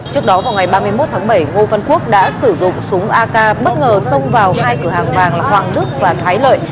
trước đó vào ngày ba mươi một tháng bảy ngô văn quốc đã sử dụng súng ak bất ngờ xông vào hai cửa hàng vàng hoàng trúc và thái lợi